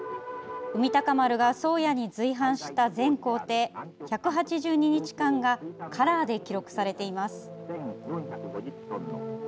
「海鷹丸」が「宗谷」に随伴した全行程１８２日間がカラーで記録されています。